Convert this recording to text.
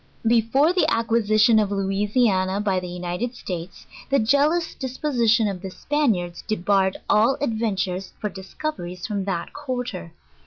Before the acquisition of Louisiana i>y the United States, the jealous disposition of the Spaniards debarred all adven tures for discoveries from that quarter.